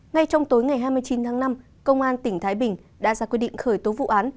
ngay trong tối ngày hai mươi chín tháng năm công an tỉnh thái bình đã ra quyết định khởi tố vụ án